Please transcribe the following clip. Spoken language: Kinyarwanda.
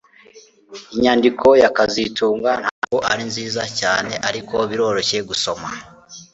Inyandiko ya kazitunga ntabwo ari nziza cyane ariko biroroshye gusoma